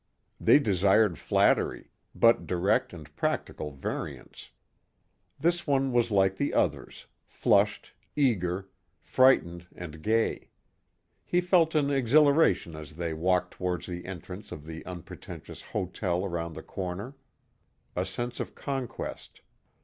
They desired flattery, but direct and practical variants. This one was like the others, flushed, eager, frightened and gay. He felt an exhilaration as they walked toward the entrance of the unpretentious hotel around the corner. A sense of conquest.